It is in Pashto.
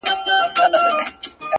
هغه شپه مي ټوله سندريزه وه ـ